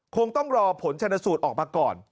คงต้องรอผลชนสูตรออกมาก่อน